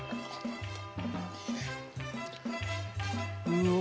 うわ！